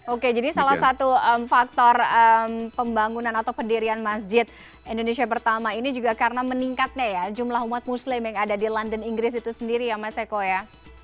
oke jadi salah satu faktor pembangunan atau pendirian masjid indonesia pertama ini juga karena meningkatnya ya jumlah umat muslim yang ada di london inggris itu sendiri ya mas eko ya